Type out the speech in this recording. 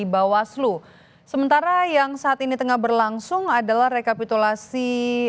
bahwa sampai dengan saat ini